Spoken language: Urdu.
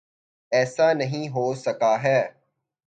ایسا نہیں ہو سکا ہے۔